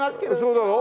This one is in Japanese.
そうだろ？